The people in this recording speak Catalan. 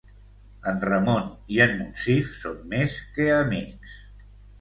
En Ramon i en Monsif són més que amics.